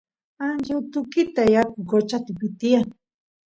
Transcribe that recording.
ancha utukita yaku qochapi tiyan